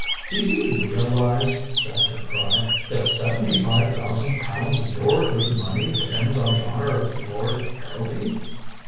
"Do you realize," Thacker cried, "that seventy five thousand pounds of your good money depends on the honor of Lord Harrowby?"